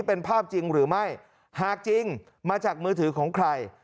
เป็นภาพจริงหรือไม่หากจริงมาจากมือถือของใคร